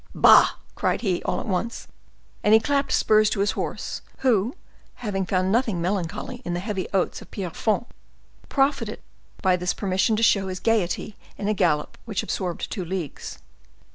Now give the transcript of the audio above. Bah!" cried he all at once. And he clapped spurs to his horse, who, having found nothing melancholy in the heavy oats of Pierrefonds, profited by this permission to show his gayety in a gallop which absorbed two leagues.